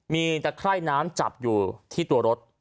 มีตะไคร่น้ำจับอยู่ที่ตัวรถ